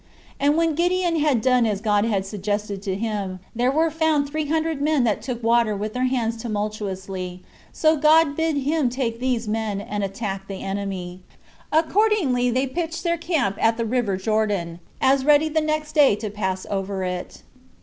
And when Gideon had done as God had suggested to him, there were found three hundred men that took water with their hands tumultuously; so God bid him take these men, and attack the enemy. Accordingly they pitched their camp at the river Jordan, as ready the next day to pass over it.